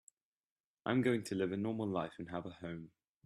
I'm going to live a normal life and have a home.